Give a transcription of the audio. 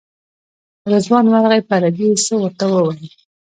رضوان ورغی په عربي یې څه ورته وویل.